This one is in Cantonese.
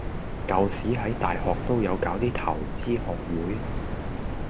舊時喺大學都有搞啲投資學會